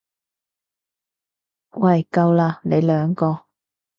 喂夠喇，你兩個！